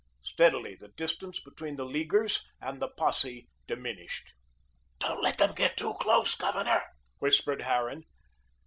Steadily the distance between the Leaguers and the posse diminished. "Don't let them get too close, Governor," whispered Harran.